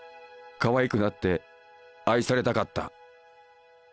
かわいくなって愛されたかった。